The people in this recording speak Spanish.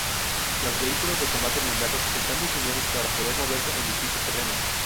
Los vehículos de combate blindados están diseñados para poder moverse en distintos terrenos.